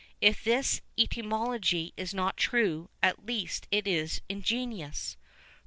[VI 6] If this etymology is not true, at least it is ingenious.